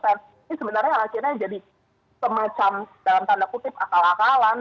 ini sebenarnya yang akhirnya jadi semacam dalam tanda kutip akal akalan